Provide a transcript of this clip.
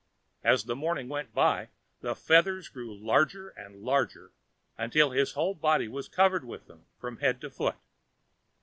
As the morning went by, the feathers grew larger and larger, until his whole body was covered with them from head to foot.